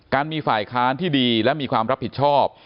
มีฝ่ายค้านที่ดีและมีความรับผิดชอบ